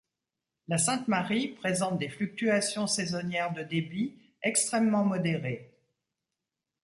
La Sainte-Marie présente des fluctuations saisonnières de débit extrêmement modérées.